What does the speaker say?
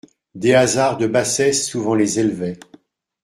Des hasards de bassesse souvent les élevaient.